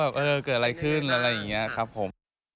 เออเกิดอะไรขึ้นอะไรอย่างนี้ครับผม